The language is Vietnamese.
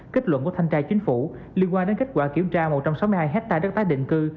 kết luận của thanh tra chính phủ liên quan đến kết quả kiểm tra một trăm sáu mươi hai hectare đất tái định cư